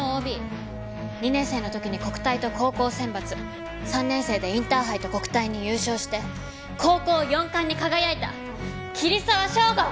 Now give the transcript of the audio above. ２年生の時に国体と高校選抜３年生でインターハイと国体に優勝して高校４冠に輝いた桐沢祥吾！